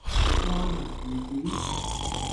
愛民如子